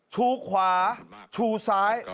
ชูขวาชูซ้าย